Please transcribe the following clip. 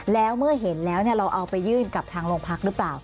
แล้วเมื่อเห็นแล้วเราเอาไปยื่นกับทางโรงพักหรือเปล่า